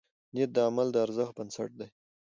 نیت د عمل د ارزښت بنسټ دی.